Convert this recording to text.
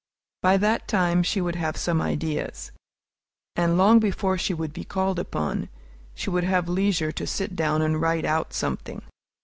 By that time she would have some ideas; and long before she would be called upon, she would have leisure to sit down and write out something.